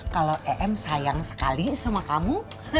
kalau em sayang sekali sama kamu